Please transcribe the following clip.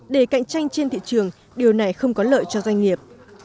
để cạnh tranh trên thị trường điều này không có lợi cho doanh nghiệp